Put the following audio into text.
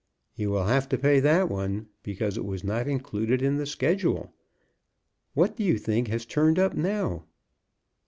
"He will have to pay that one, because it was not included in the schedule. What do you think has turned up now?"